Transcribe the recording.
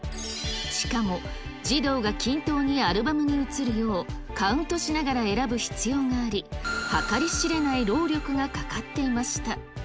しかも児童が均等にアルバムに写るよう、カウントしながら選ぶ必要があり、計り知れない労力がかかっていました。